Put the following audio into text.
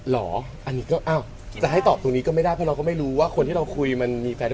เราไม่รู้หรือเปล่าว่าคนที่เราคุยเขามี